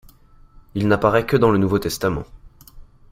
Il n'apparaît que dans le Nouveau Testament.